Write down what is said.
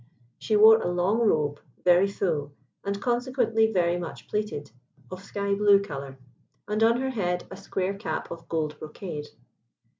She wore a long robe, very full, and consequently very much plaited, of sky blue colour, and on her head a square cap of gold brocade.